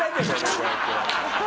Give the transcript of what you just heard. こうやって。